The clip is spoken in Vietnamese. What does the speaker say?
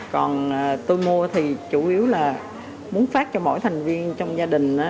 còn tôi mua thì chủ yếu là muốn phát cho mỗi thành viên trong gia đình